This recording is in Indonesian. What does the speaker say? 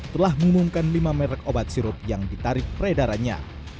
telah mengumumkan lima merek obat sirup yang ditarik peredarannya